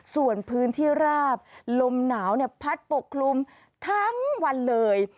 ส่วนพื้นที่ราบลมหนาวพัดปกคลุมทั้งวันเลย